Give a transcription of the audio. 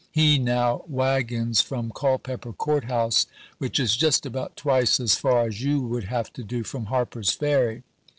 He now wagons from Culpeper Court House, which is just about twice as far as you would have to do from Harper's Ferry.